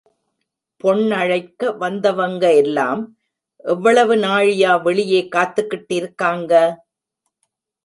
பொண்ணழைக்க வந்தவங்க எல்லாம் எவ்வளவு நாழியா வெளியே காத்துக்கிட்டு இருக்காங்க.